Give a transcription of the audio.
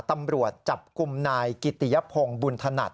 ตำรวจจับกลุ่มนายกิติยพงศ์บุญถนัด